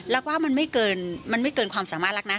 ลักษณ์ว่ามันไม่เกินความสามารถลักษณ์นะ